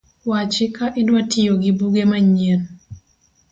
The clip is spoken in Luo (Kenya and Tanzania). Wachi ka idwa tiyo gi buge manyien